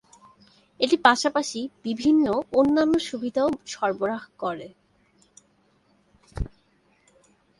এটি পাশাপাশি বিভিন্ন অন্যান্য সুবিধাও সরবরাহ করে।